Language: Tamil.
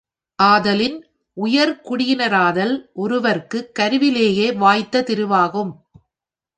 ஆதலின் உயர் குடியினராதல் ஒருவர்க்குக் கருவிலேயே வாய்த்த திருவாகும்.